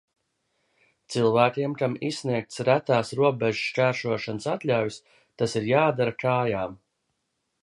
Cilvēkiem, kam izsniegtas retās robežšķērsošanas atļaujas, tas ir jādara kājām.